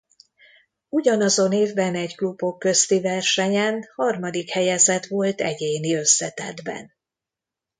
Ugyanazon évben egy klubok közti versenyen harmadik helyezett volt egyéni összetettben.